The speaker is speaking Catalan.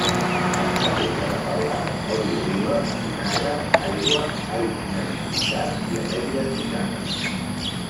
Està feta de pa blanc, oli d'oliva, vinagre, aigua, all finament picat i ametlles picades.